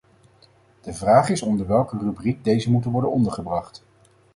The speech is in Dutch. De vraag is onder welke rubriek deze moeten worden ondergebracht.